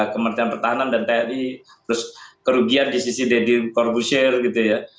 kementerian pertahanan dan tni terus kerugian di sisi deddy corbusier gitu ya